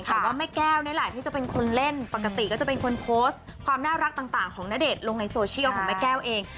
แต่ว่าแม่แก้วนี่แหละที่จะเป็นคนเล่นปกติก็จะเป็นคนโพสต์ความน่ารักต่างของณเดชน์ลงในโซเชียลของแม่แก้วเอง